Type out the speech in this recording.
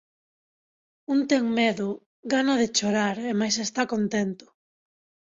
Un ten medo, gana de chorar, e mais está contento...